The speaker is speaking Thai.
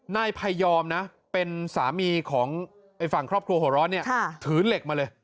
นายพยอมนะเป็นสามีของฝั่งครอบครัวหัวร้อนเนี่ยถือเหล็กมาเลย